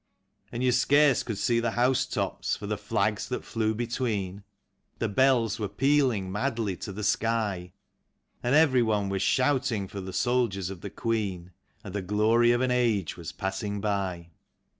And you scarce could see the house tops for the flags that flew between. The bells were pealing madly to the sky; And everyone was shouting for the Soldiers of the Queen, And the glory of an age was passing by.